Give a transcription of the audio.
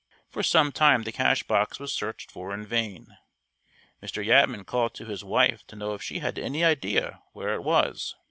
For some time the cash box was searched for in vain. Mr. Yatman called to his wife to know if she had any idea where it was.